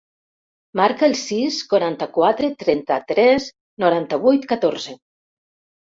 Marca el sis, quaranta-quatre, trenta-tres, noranta-vuit, catorze.